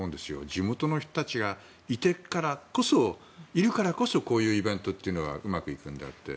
地元の人たちがいるからこそこういうイベントというのはうまくいくんであって。